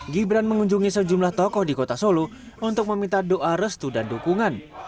gibran mengunjungi sejumlah tokoh di kota solo untuk meminta doa restu dan dukungan